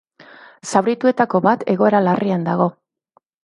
Zaurituetako bat egoera larrian dago.